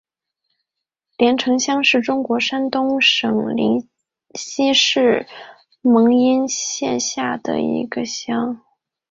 联城乡是中国山东省临沂市蒙阴县下辖的一个乡。